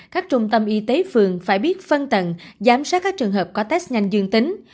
các trung tâm y tế phường phải biết phân tầng giám sát các trường hợp có test nhanh dương tính